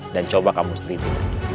dan coba kamu sendiri